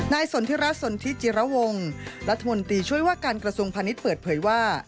สนทิรัฐสนทิจิระวงรัฐมนตรีช่วยว่าการกระทรวงพาณิชย์เปิดเผยว่า